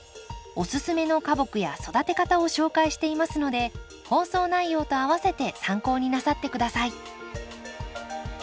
おすすめの花木や育て方を紹介していますので放送内容とあわせて参考になさって下さい。